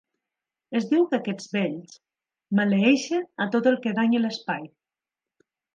Es diu que aquests "vells" maleeixen a tot el que danyi l'espai.